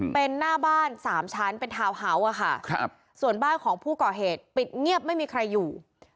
เป็นหน้าบ้าน๓ชั้นเป็นทาวน์เฮาส์ค่ะส่วนบ้านของผู้ก่อเหตุปิดเงียบไม่มีใครอยู่